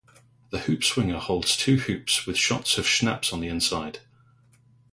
The hoop swinger holds two hoops with shots of "schnapps" on the inside.